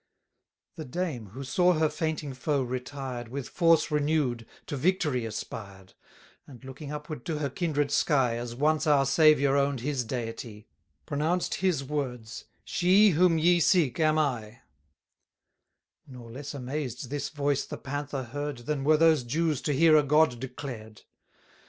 The dame, who saw her fainting foe retired, With force renew'd, to victory aspired; And, looking upward to her kindred sky, As once our Saviour own'd his Deity, Pronounced his words: "She whom ye seek am I," Nor less amazed this voice the Panther heard, Than were those Jews to hear a God declared.